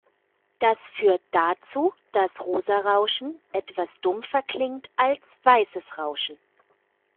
Das führt dazu, dass rosa Rauschen etwas dumpfer klingt als weißes Rauschen.